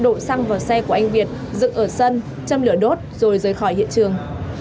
độ xăng vào xe của anh việt dựng ở sân châm lửa đốt rồi rời khỏi hiện trường